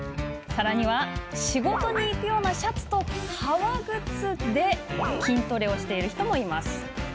仕事に行くようなシャツと革靴で筋トレしている人もいます。